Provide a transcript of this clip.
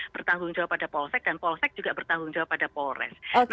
bertanggung jawab pada polsek dan polsek juga bertanggung jawab pada polres